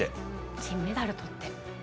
金メダルとって。